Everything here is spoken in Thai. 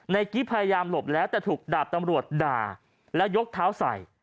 กิ๊บพยายามหลบแล้วแต่ถูกดาบตำรวจด่าแล้วยกเท้าใส่